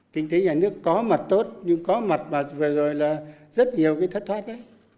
kinh tế nhà nước có mặt tốt nhưng có mặt mà vừa rồi là rất nhiều cái thất thoát đấy